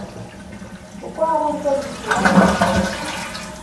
kuko hari ubwo bitubahirizwa